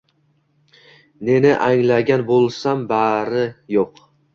Neni anglagan bo’lsam bari yo’q.